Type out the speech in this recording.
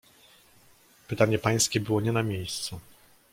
"Pytanie pańskie było nie na miejscu."